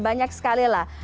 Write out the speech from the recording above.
banyak sekali lah